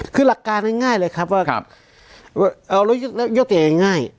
คือหลักการง่ายง่ายเลยครับว่าครับเอาแล้วยกแล้วยกตัวอย่างง่าย